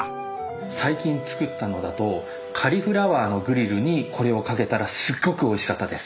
最近作ったのだとカリフラワーのグリルにこれをかけたらすっごくおいしかったです。